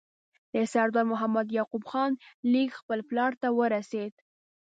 د سردار محمد یعقوب خان لیک خپل پلار ته ورسېد.